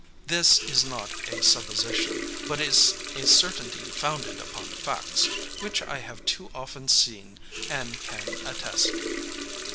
This is not a supposition, but is a certainty founded upon facts, which I have too often seen and can attest.